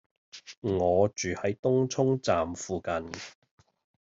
我住喺東涌站附近